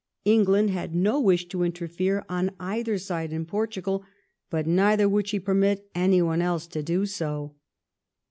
England had no wish t(5 interfere on either side in Portugal, but neither would she permit anyone else to do so.